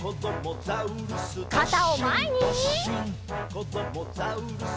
「こどもザウルス